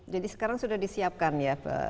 jadi sekarang sudah disiapkan ya